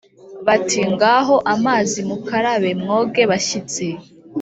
bati: ‘ngaho amazi mukarabe, mwoge bashyitsi.’